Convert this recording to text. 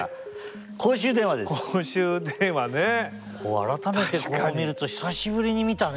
改めてこう見ると久しぶりに見たね。